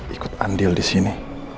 ikut andil disini